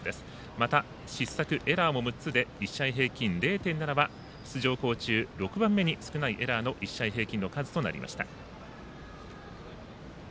また失策、エラーも６つで１試合平均０．７は出場校中、６番目に少ないエラーの１試合平均の数となりました。